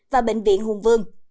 và bệnh viện hùng vương